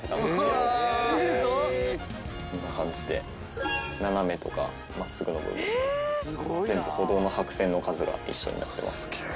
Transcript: こんな感じで斜めとか真っすぐの部分全部歩道の白線の数が一緒になってます。